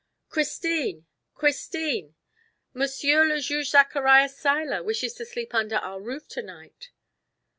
"Christine, Christine! Monsieur le Juge Zacharias Seiler wishes to sleep under our roof to night."